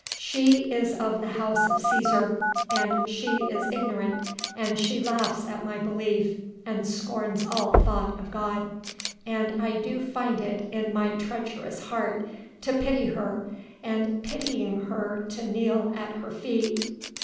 She is of the House of Cæsar and she is ignorant, and she laughs at my belief and scorns all thought of God, and I do find it in my treacherous heart to pity her and pitying her to kneel at her feet.